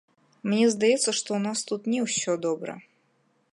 Мне здаецца, што ў нас тут не ўсё добра.